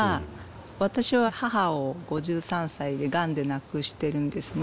私は母を５３歳でがんで亡くしてるんですね。